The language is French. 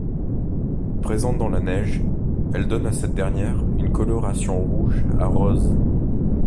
Présente dans la neige, elle donne à cette dernière une coloration rouge à rose.